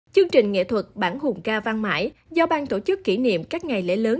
chương trình nghệ thuật bản hùng ca văn mãi do bang tổ chức kỷ niệm các ngày lễ lớn